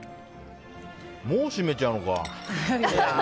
もう締めちゃうのか。